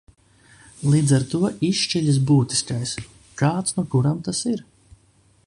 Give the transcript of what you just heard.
Līdz ar to izšķiļas būtiskais. Kāds nu kuram tas ir.